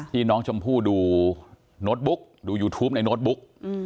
ที่น้องชมพู่ดูโน้ตบุ๊กดูยูทูปในโน้ตบุ๊ก